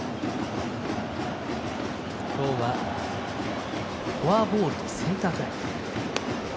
今日はフォアボールとセンターフライ。